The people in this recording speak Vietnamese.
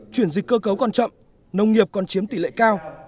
chuyển dịch cơ cấu còn chậm nông nghiệp còn chiếm tỷ lệ cao